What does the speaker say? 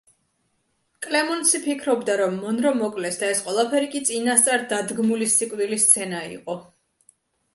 კლემონსი ფიქრობდა, რომ მონრო მოკლეს და ეს ყველაფერი კი წინასწარ დადგმული სიკვდილის სცენა იყო.